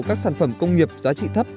các sản phẩm công nghiệp giá trị thấp